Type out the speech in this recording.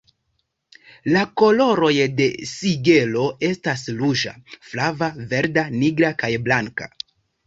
La koloroj de la sigelo estas ruĝa, flava, verda, nigra kaj blanka.